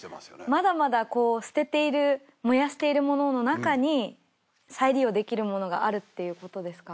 まだまだこう捨てている燃やしているモノの中に再利用できるものがあるっていうことですか？